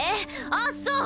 あっそう！